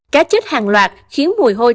cá chết hàng loạt khiến mùi hôi